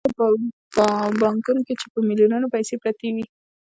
د هغه په بانکونو کې په میلیونونو پیسې پرتې دي